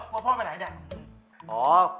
พ่อพ่อไปไหนเนี่ย